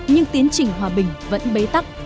nhưng tiến trình hòa bình vẫn bấy tắc